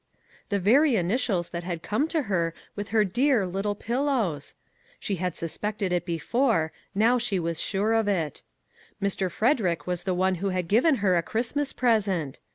The very initials that had come to her with her dear " Little Pil lows !" She had suspected it before ; now she was sure of it. Mr. Frederick was the one who had given her a Christmas present